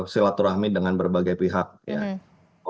silaturahmi dengan berbagai pihak ya kalau bisa dikatakan